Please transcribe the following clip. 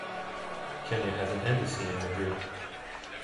Kenya has an embassy in Madrid.